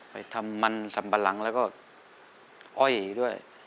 ไปทำมันสัมปะหลังแล้วก็อ้อยด้วย